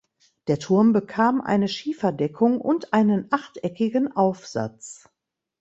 Der Turm bekam eine Schieferdeckung und einen achteckigen Aufsatz.